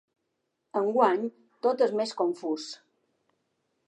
Enguany, tot és més confús.